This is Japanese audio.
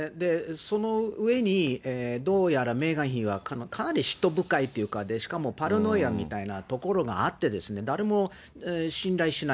その上に、どうやらメーガン妃は、かなりしっと深いっていうかで、しかもパラノイアみたいなところがあって、誰も信頼しない。